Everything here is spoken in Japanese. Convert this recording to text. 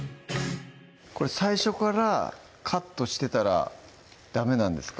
これ最初からカットしてたらダメなんですか？